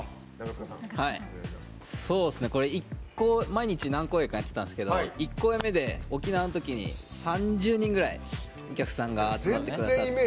毎日何公演かやっていたんですけど１公演目で沖縄のときに３０人ぐらいお客さんが集まってくださって。